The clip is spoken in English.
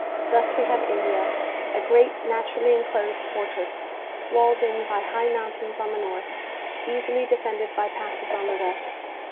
Thus we have India, a great natur ally inclosed fortress, walled in by high mountains on the north, easily defended by passes on the west.